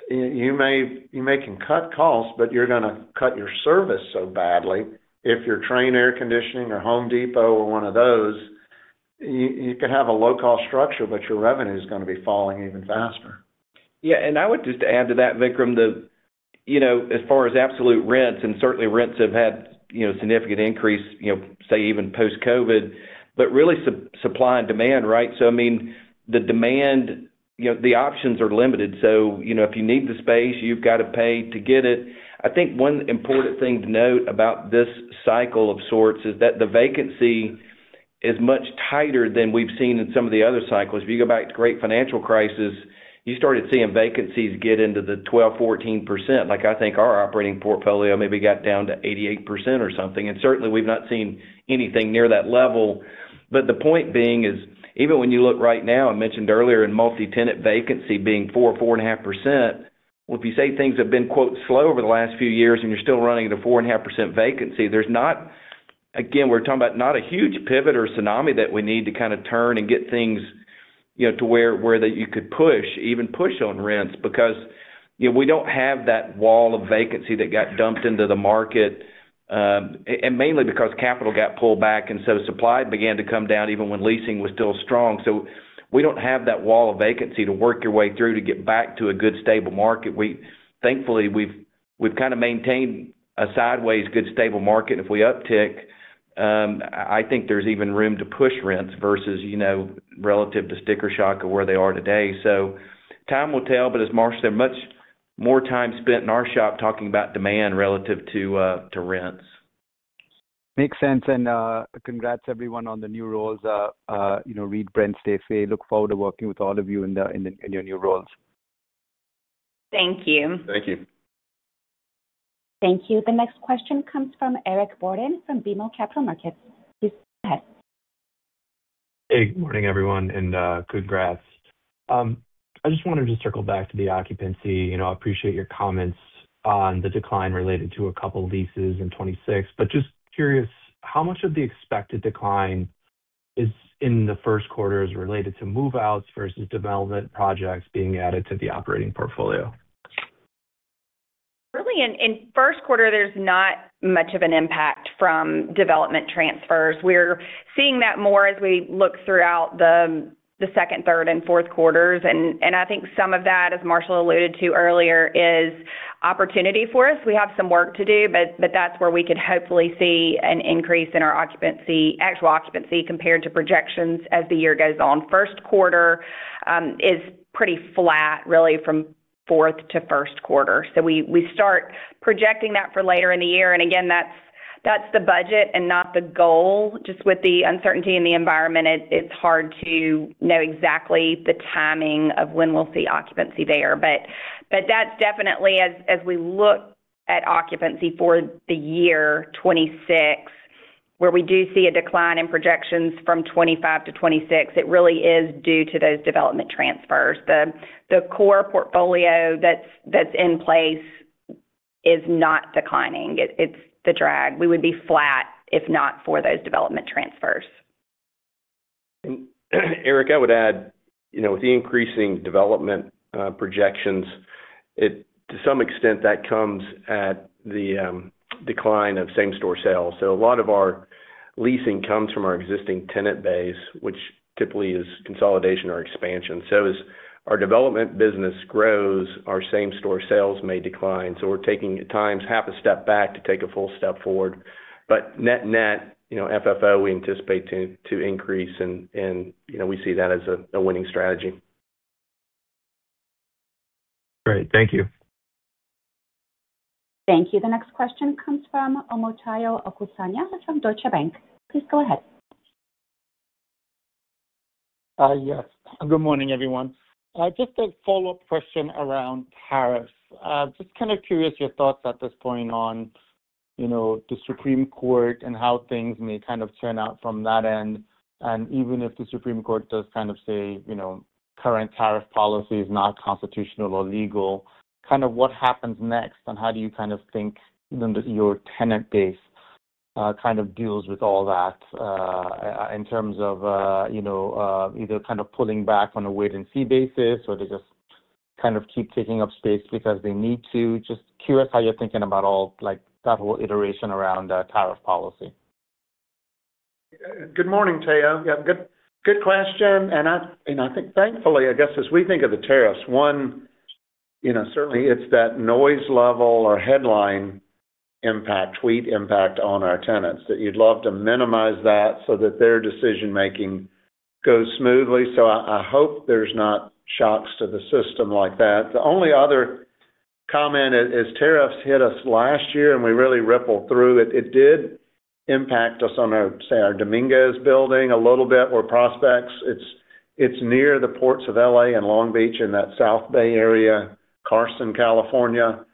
you may can cut costs, but you're gonna cut your service so badly. If you're Trane air conditioning or Home Depot or one of those, you can have a low-cost structure, but your revenue is gonna be falling even faster. Yeah, and I would just add to that, Vikram, that, you know, as far as absolute rents, and certainly rents have had, you know, significant increase, you know, say, even post-COVID, but really supply and demand, right? So I mean, the demand, you know, the options are limited. So, you know, if you need the space, you've got to pay to get it. I think one important thing to note about this cycle of sorts is that the vacancy is much tighter than we've seen in some of the other cycles. If you go back to Great Financial Crisis, you started seeing vacancies get into the 12%-14%. Like, I think our operating portfolio maybe got down to 88% or something, and certainly we've not seen anything near that level. But the point being is, even when you look right now, I mentioned earlier in multi-tenant vacancy being 4%-4.5%. Well, if you say things have been, quote, "slow" over the last few years, and you're still running at a 4.5% vacancy, there's not... Again, we're talking about not a huge pivot or tsunami that we need to kind of turn and get things, you know, to where, where that you could push, even push on rents, because, you know, we don't have that wall of vacancy that got dumped into the market, and mainly because capital got pulled back, and so supply began to come down even when leasing was still strong. So we don't have that wall of vacancy to work your way through to get back to a good, stable market. Thankfully, we've kind of maintained a sideways, good, stable market. If we uptick, I think there's even room to push rents versus, you know, relative to sticker shock of where they are today. So time will tell, but as Marsh said, much more time spent in our shop talking about demand relative to rents. Makes sense, and, congrats everyone on the new roles. You know, Reid, Brent, Staci, look forward to working with all of you in your new roles. Thank you. Thank you. Thank you. The next question comes from Eric Borden from BMO Capital Markets. Please go ahead. Hey, good morning, everyone, and congrats. I just wanted to circle back to the occupancy. You know, I appreciate your comments on the decline related to a couple leases in 2026. But just curious, how much of the expected decline is in the first quarter is related to move-outs versus development projects being added to the operating portfolio? Really, in first quarter, there's not much of an impact from development transfers. We're seeing that more as we look throughout the second, third, and fourth quarters. I think some of that, as Marshall alluded to earlier, is opportunity for us. We have some work to do, but that's where we could hopefully see an increase in our occupancy, actual occupancy, compared to projections as the year goes on. First quarter is pretty flat, really, from fourth to first quarter. We start projecting that for later in the year, and again, that's the budget and not the goal. Just with the uncertainty in the environment, it's hard to know exactly the timing of when we'll see occupancy there. But that's definitely as we look at occupancy for the year 2026, where we do see a decline in projections from 2025 to 2026, it really is due to those development transfers. The core portfolio that's in place is not declining. It's the drag. We would be flat if not for those development transfers. Eric, I would add, you know, with the increasing development projections, it to some extent, that comes at the decline of same-store sales. So a lot of our leasing comes from our existing tenant base, which typically is consolidation or expansion. So as our development business grows, our same-store sales may decline, so we're taking, at times, half a step back to take a full step forward. But net-net, you know, FFO, we anticipate to increase and, you know, we see that as a winning strategy. Great. Thank you. Thank you. The next question comes from Omotayo Okusanya from Deutsche Bank. Please go ahead. Yes. Good morning, everyone. Just a follow-up question around tariffs. Just kind of curious, your thoughts at this point on, you know, the Supreme Court and how things may kind of turn out from that end. And even if the Supreme Court does kind of say, you know, current tariff policy is not constitutional or legal, kind of what happens next, and how do you kind of think your tenant base, kind of deals with all that, in terms of, you know, either kind of pulling back on a wait and see basis or they just kind of keep taking up space because they need to? Just curious how you're thinking about all, like, that whole iteration around, tariff policy. Good morning, Tayo. Yeah, good, good question, and I, and I think thankfully, I guess, as we think of the tariffs, one, you know, certainly it's that noise level or headline impact, tweet impact on our tenants, that you'd love to minimize that so that their decision-making goes smoothly. So I, I hope there's not shocks to the system like that. The only other comment is, is tariffs hit us last year, and we really rippled through it. It did impact us on our, say, our Dominguez building a little bit, or prospects. It's, it's near the ports of L.A. and Long Beach in that South Bay area, Carson, California. But,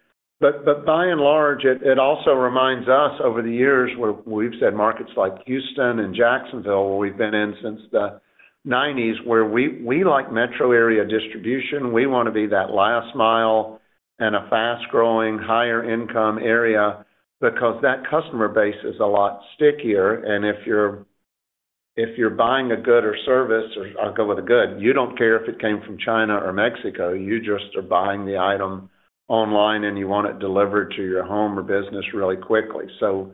but by and large, it, it also reminds us over the years, where we've said markets like Houston and Jacksonville, where we've been in since the nineties, where we, we like metro area distribution. We want to be that last mile in a fast-growing, higher income area, because that customer base is a lot stickier, and if you're buying a good or service, or I'll go with a good, you don't care if it came from China or Mexico. You just are buying the item online, and you want it delivered to your home or business really quickly. So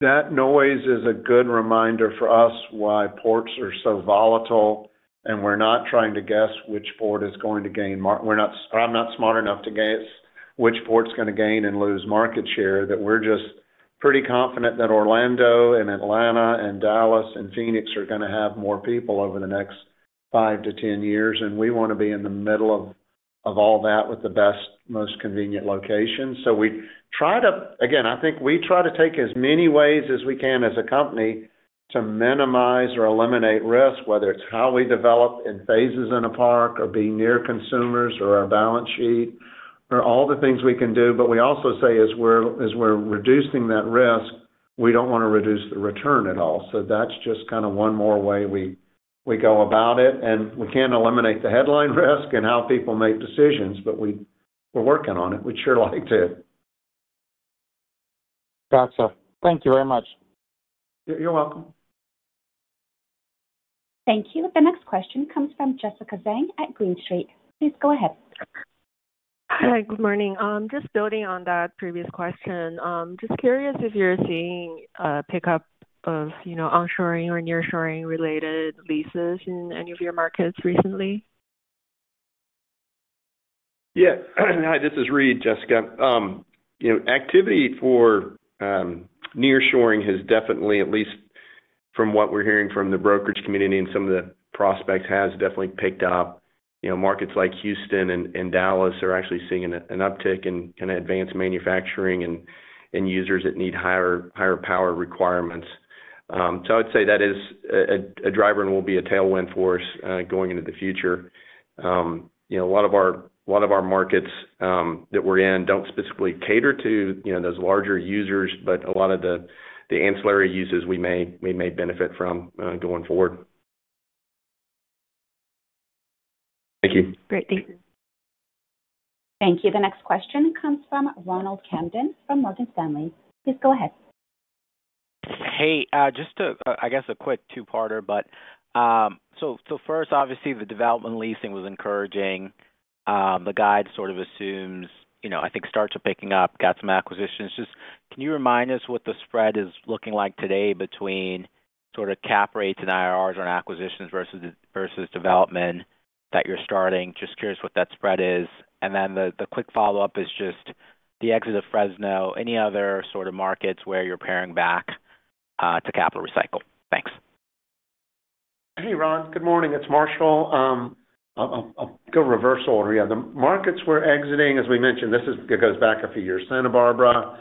that noise is a good reminder for us why ports are so volatile, and we're not trying to guess which port is going to gain and lose market share. I'm not smart enough to guess which port is gonna gain and lose market share, that we're just pretty confident that Orlando and Atlanta and Dallas and Phoenix are gonna have more people over the next 5-10 years, and we want to be in the middle of all that with the best, most convenient location. So we try to. Again, I think we try to take as many ways as we can as a company to minimize or eliminate risk, whether it's how we develop in phases in a park, or being near consumers, or our balance sheet, or all the things we can do. But we also say, as we're reducing that risk, we don't want to reduce the return at all. So that's just kind of one more way we go about it, and we can't eliminate the headline risk and how people make decisions, but we're working on it. We'd sure like to. Gotcha. Thank you very much. You're welcome. Thank you. The next question comes from Jessica Zheng at Green Street. Please go ahead. Hi, good morning. Just building on that previous question, just curious if you're seeing a pickup of, you know, onshoring or nearshoring related leases in any of your markets recently? Yeah. Hi, this is Reid, Jessica. You know, activity for nearshoring has definitely at least-... From what we're hearing from the brokerage community and some of the prospects has definitely picked up. You know, markets like Houston and Dallas are actually seeing an uptick in advanced manufacturing and users that need higher power requirements. So I'd say that is a driver and will be a tailwind for us, going into the future. You know, a lot of our markets that we're in don't specifically cater to, you know, those larger users, but a lot of the ancillary users we may benefit from, going forward. Thank you. Great. Thank you. Thank you. The next question comes from Ronald Kamdem from Morgan Stanley. Please go ahead. Hey, just to, I guess, a quick two-parter, but, so first, obviously, the development leasing was encouraging. The guide sort of assumes, you know, I think starts are picking up, got some acquisitions. Just can you remind us what the spread is looking like today between sort of cap rates and IRRs on acquisitions versus development that you're starting? Just curious what that spread is. And then the quick follow-up is just the exit of Fresno. Any other sort of markets where you're paring back to capital recycle? Thanks. Hey, Ron. Good morning. It's Marshall. I'll go reverse order. Yeah, the markets we're exiting, as we mentioned, this is, it goes back a few years. Santa Barbara,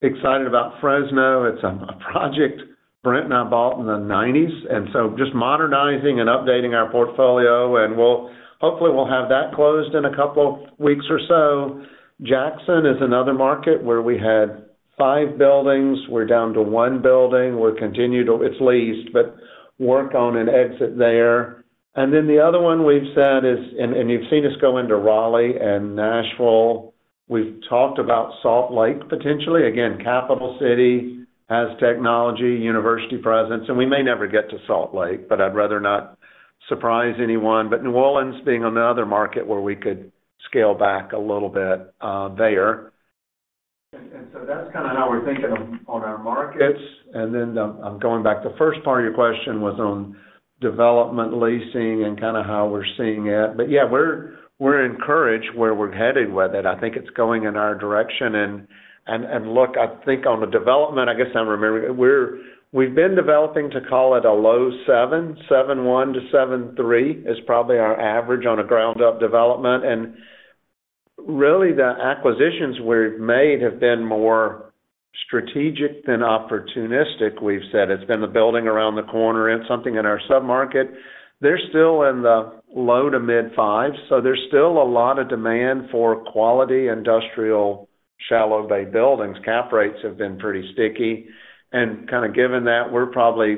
excited about Fresno. It's a project Brent and I bought in the 1990s, and so just modernizing and updating our portfolio, and we'll, hopefully, we'll have that closed in a couple weeks or so. Jackson is another market where we had five buildings, we're down to one building. We'll continue to... It's leased, but work on an exit there. And then the other one we've said is, and you've seen us go into Raleigh and Nashville. We've talked about Salt Lake, potentially. Again, capital city, has technology, university presence, and we may never get to Salt Lake, but I'd rather not surprise anyone. But New Orleans being another market where we could scale back a little bit there. And so that's kind of how we're thinking on our markets. And then, I'm going back. The first part of your question was on development, leasing, and kind of how we're seeing it. But yeah, we're encouraged where we're headed with it. I think it's going in our direction. And look, I think on the development, I guess I'm remembering, we've been developing to call it a low 7, 7.1 to 7.3, is probably our average on a ground-up development. And really, the acquisitions we've made have been more strategic than opportunistic, we've said. It's been the building around the corner and something in our submarket. They're still in the low- to mid-5s, so there's still a lot of demand for quality, industrial, Shallow Bay buildings. Cap rates have been pretty sticky. And kind of given that, we're probably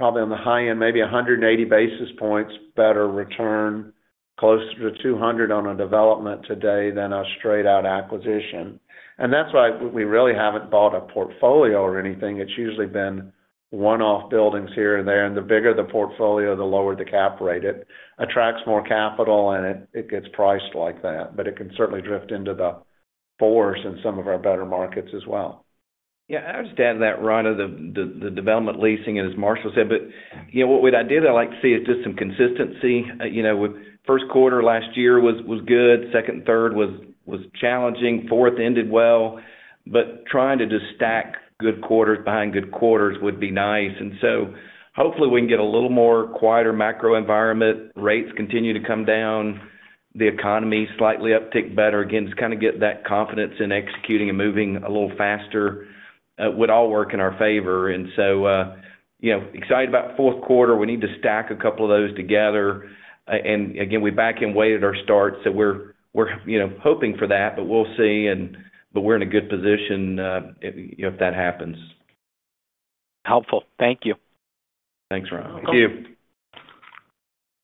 on the high end, maybe 180 basis points, better return, closer to 200 on a development today than a straight-out acquisition. And that's why we really haven't bought a portfolio or anything. It's usually been one-off buildings here and there, and the bigger the portfolio, the lower the cap rate. It attracts more capital, and it gets priced like that, but it can certainly drift into the 4s in some of our better markets as well. Yeah, I'll just add to that, Ron, the development leasing, as Marshall said, but, you know, what I'd like to see is just some consistency. You know, with first quarter last year was good, second and third was challenging, fourth ended well. But trying to just stack good quarters behind good quarters would be nice. And so hopefully we can get a little more quieter macro environment, rates continue to come down, the economy slightly uptick better. Again, just kind of get that confidence in executing and moving a little faster would all work in our favor. And so, you know, excited about fourth quarter. We need to stack a couple of those together. And again, we back end loaded our start, so we're, you know, hoping for that, but we'll see. But we're in a good position, if, you know, if that happens. Helpful. Thank you. Thanks, Ron. Thank you.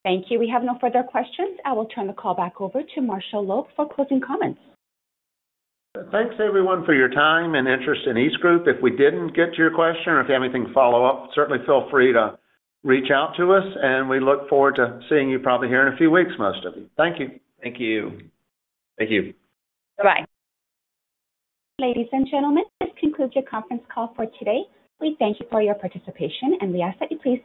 Thank you. We have no further questions. I will turn the call back over to Marshall Loeb for closing comments. Thanks, everyone, for your time and interest in EastGroup. If we didn't get to your question or if you have anything to follow up, certainly feel free to reach out to us, and we look forward to seeing you probably here in a few weeks, most of you. Thank you. Thank you. Thank you. Bye-bye. Ladies and gentlemen, this concludes your conference call for today. We thank you for your participation, and we ask that you please-